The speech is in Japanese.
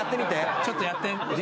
ちょっとやって。